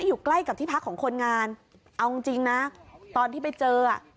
อยู่ใกล้กับที่พักของคนงานเอาจริงจริงนะตอนที่ไปเจออ่ะ